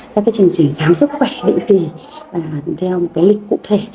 các chương trình khám sức khỏe định kỳ theo một lịch cụ thể